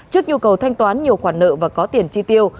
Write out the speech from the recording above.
trước nhu cầu thanh toán nhiều khoản nợ và có tiền chi tiêu